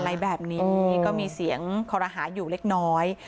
อะไรแบบนี้ก็มีเสียงคอรหาอยู่เล็กน้อย